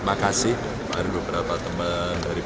makasih berharga berapa teman dari p tiga